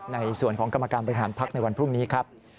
ในส่วนของกรรมการบริหารพักในวันพรุ่งนี้ครับ